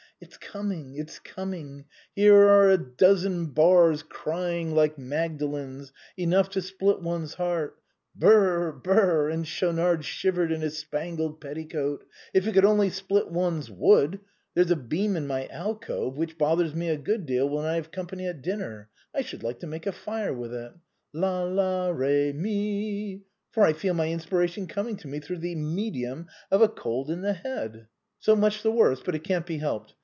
It's coming, it's coming! Here are a dozen bars crying like Magdalens, enough to split one's heart — Brr, brr !" and Schaunard shivered in his spangled petticoat, " if it could only split one's wood! There's a beam in my alcove which bothers me a good deal when I have a company at dinner. I should like to make a fire with it — la, la, re, mi — for I feel my 4 THE BOHEMIANS OF THE LATIN QUARTER. inspiration coming to me through the medium of a cold in the head. So much the worse;, but it can't be helped.